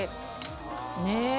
ねえ！